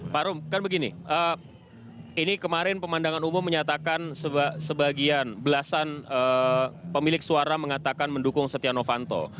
pak rum kan begini ini kemarin pemandangan umum menyatakan sebagian belasan pemilik suara mengatakan mendukung setia novanto